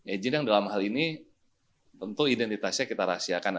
agen yang dalam hal ini tentu identitasnya kita rahasiakan